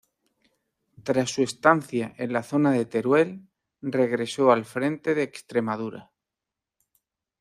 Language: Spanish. Tras su estancia en la zona de Teruel regresó al frente de Extremadura.